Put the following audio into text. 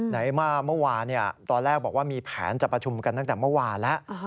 ในเมื่อเมื่อวานตอนแรกบอกว่ามีแผนจะประชุมกันตั้งแต่เมื่อวานแล้ว